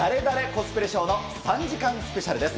コスプレショーの３時間スペシャルです。